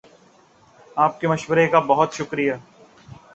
آپ کے مشورے کا بہت شکر یہ